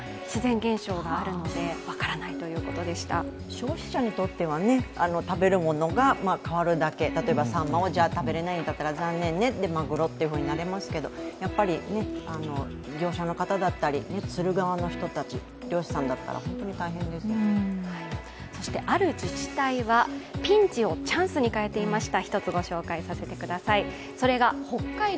消費者にとっては食べるものが変わるだけ、例えばサンマが食べられなくて残念ね、で、マグロってなれますけどやっぱり業者の方だったり釣る側の人たち、漁師さんだったら、本当に大変ですある自治体をピンチをチャンスに変えていました。